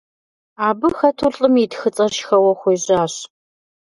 Абы хэту лӀым и тхыцӀэр шхэуэ хуежьащ.